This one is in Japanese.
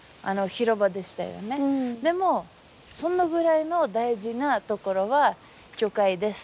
でもそのぐらいの大事な所は教会です。